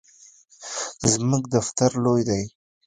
زموږ دفتر لوی دی